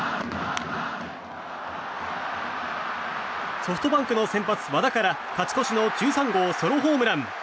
ソフトバンクの先発、和田から勝ち越しの１３号ソロホームラン。